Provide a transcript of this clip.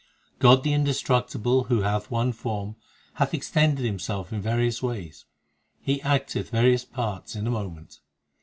God the indestructible who hath one form, Hath extended Himself in various ways ; He acteth various parts in a moment.